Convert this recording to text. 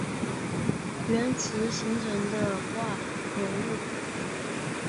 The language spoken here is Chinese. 锑化物是锑和电负性更小的元素形成的化合物。